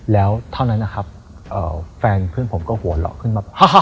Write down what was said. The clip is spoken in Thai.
แล้วเท่านั้นแฟนเพื่อนผมก็หัวหลอกขึ้นมา